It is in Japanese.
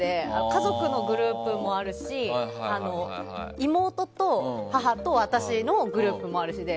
家族のグループもあるし妹と母と私のグループもあるしで。